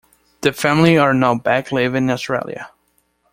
The family are now back living in Australia.